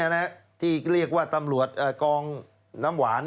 ที่เรียกว่าตำรวจกองน้ำหวาน